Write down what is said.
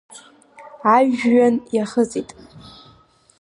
Ажәҩан иахыҵит.